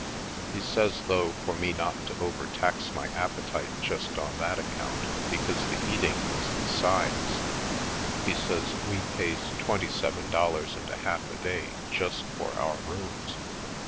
He says, though, for me not to overtax my appetite just on that account because the eating is besides; he says we pays twenty seven dollars and a half a day just for our rooms.